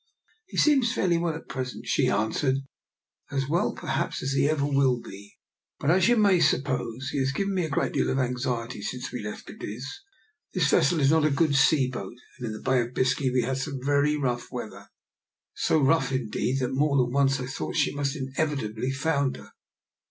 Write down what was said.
" He seems fairly well at present," she answered. " As well, perhaps, as he ever will be. But, as you may suppose, he has given me a great deal of anxiety since we left Cadiz. This vessel is not a good sea boat, aijid in the Bay of Biscay we had some very r|ough weather — so rough, indeed, that more , than once I thought she must inevitably foiinder.